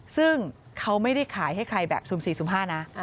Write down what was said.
ซึ่งเขาไม่ได้ขายให้ใครแบบ๐๔๐๕นะ